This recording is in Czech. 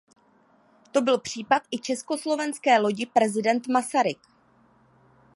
To byl případ i československé lodi Prezident Masaryk.